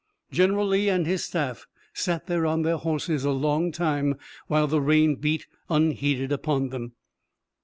General Lee and his staff sat there on their horses a long time, while the rain beat unheeded upon them.